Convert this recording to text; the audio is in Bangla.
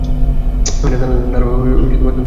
তারা দক্ষিণ দিকে যাচ্ছে।